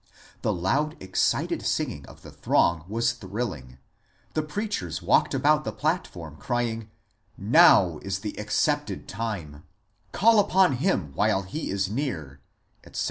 The loud excited singing of the throng was thrilling ; the preachers walked about the platform, crying, ^ Now is the accepted time I "Call upon CAMP MEETINGS 27 him wbUe he is near I " etc.